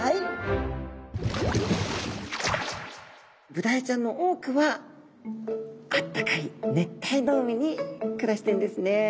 ブダイちゃんの多くはあったかい熱帯の海に暮らしてるんですね。